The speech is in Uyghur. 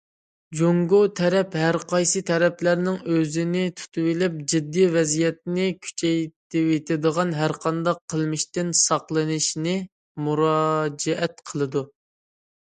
جۇڭگو تەرەپ ھەرقايسى تەرەپلەرنىڭ ئۆزىنى تۇتۇۋېلىپ، جىددىي ۋەزىيەتنى كۈچەيتىۋېتىدىغان ھەرقانداق قىلمىشتىن ساقلىنىشىنى مۇراجىئەت قىلىدۇ.